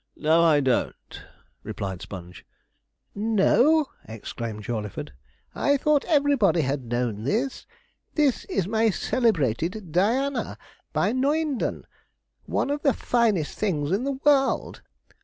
'No, I don't,' replied Sponge. 'No!' exclaimed Jawleyford; 'I thought everybody had known this: this is my celebrated "Diana," by Noindon one of the finest things in the world.